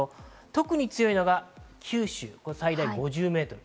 特に強いのが九州、最大５０メートル。